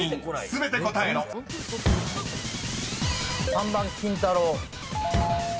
３番キンタロー。。